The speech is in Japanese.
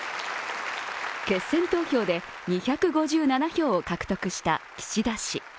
決選投票で２５７票を獲得した岸田氏。